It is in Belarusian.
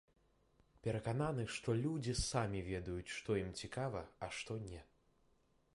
Перакананы, што людзі самі ведаюць, што ім цікава, а што не.